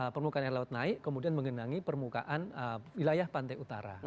permukaan air laut naik kemudian mengenangi permukaan wilayah pantai utara